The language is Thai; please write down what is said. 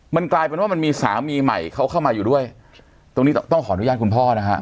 มันกลายเป็นว่ามันมีสามีใหม่เขาเข้ามาอยู่ด้วยตรงนี้ต้องต้องขออนุญาตคุณพ่อนะฮะ